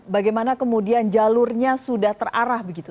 bagaimana kemudian jalurnya sudah terarah begitu